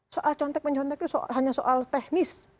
soal contek mencontek itu hanya soal teknis